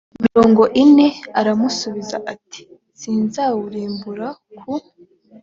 mirongo ine aramusubiza ati sinzawurimbura ku